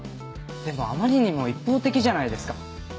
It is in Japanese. でもあまりにも一方的じゃないですか。